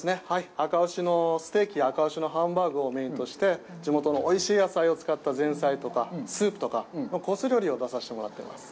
あか牛のステーキ、あか牛のハンバーグをメインとして、地元のおいしい野菜を使った前菜とか、スープとか、コース料理を出させてもらってます。